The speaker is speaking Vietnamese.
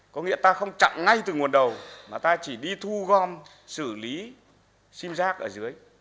có nghĩa ta không chặn ngay từ nguồn đầu mà ta chỉ đi thu gom xử lý sim rác ở dưới